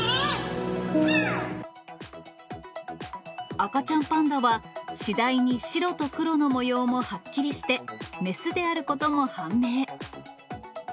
赤ちゃんパンダは、次第に白と黒の模様もはっきりして、雌であることも判明。